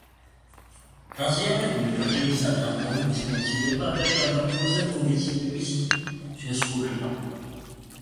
დაზიანებული ტოტებისა და ნაყოფების მოცილება, ადრე გაზაფხულზე ფუნგიციდების შესხურება.